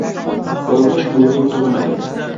• Boyqush burgut tug‘maydi.